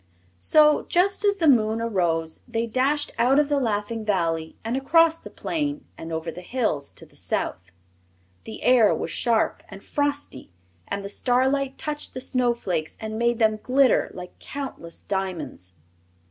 So, just as the moon arose, they dashed out of the Laughing Valley and across the plain and over the hills to the south. The air was sharp and frosty and the starlight touched the snowflakes and made them glitter like countless diamonds.